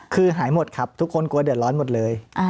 คือหายหมดครับทุกคนกลัวเดือดร้อนหมดเลย